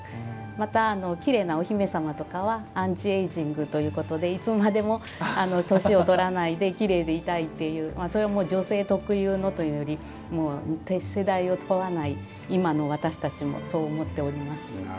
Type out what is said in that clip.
また、きれいなお姫様とかはアンチエイジングということでいつまでも年をとらないできれいでいたいというそれは女性特有というより世代を問わない今の私たちもそう思っております。